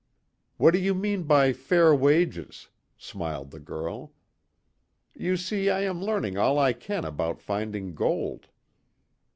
"What do you mean by fair wages?" smiled the girl. "You see, I am learning all I can about finding gold."